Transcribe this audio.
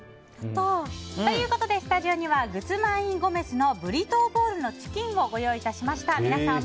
ということでスタジオにはＧｕｚｍａｎｙＧｏｍｅｚのブリトーボウルのチキンをご用意致しました。